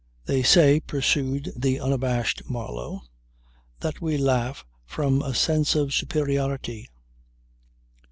"They say," pursued the unabashed Marlow, "that we laugh from a sense of superiority.